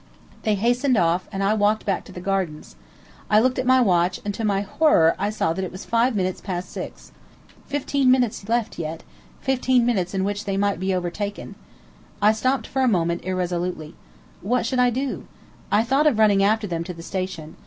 They hastened off, and I walked back to the gardens. I looked at my watch, and to my horror I saw it was five minutes past six. Fifteen minutes left yet. Fifteen minutes in which they might be overtaken. I stopped for a moment irresolutely. What should I do? I thought of running after them to the station.